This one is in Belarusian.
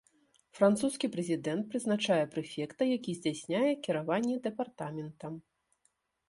Французскі прэзідэнт прызначае прэфекта, які здзяйсняе кіраванне дэпартаментам.